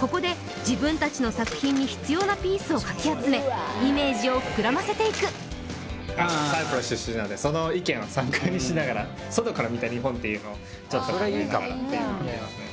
ここで自分たちの作品に必要なピースをかき集めイメージを膨らませていくその意見を参考にしながらっていうのをちょっと考えながらっていうのはありますね